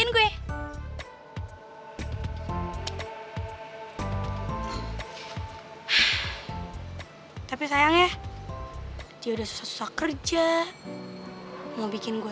biar gue bisa ngejar cita cita gue lebih tinggi